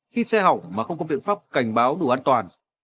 khi xe hỏng mà không có biện pháp cảnh báo đủ an toàn